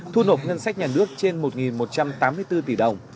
thu nộp ngân sách nhà nước trên một một trăm tám mươi bốn tỷ đồng